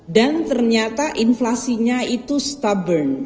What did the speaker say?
dan ternyata inflasinya itu stubborn